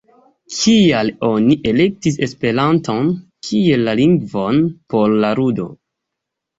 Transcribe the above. Kial oni elektis Esperanton kiel la lingvon por la ludo?